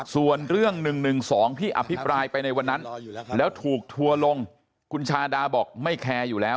ส่วนเรื่อง๑๑๒ที่อภิปรายไปในวันนั้นแล้วถูกทัวร์ลงคุณชาดาบอกไม่แคร์อยู่แล้ว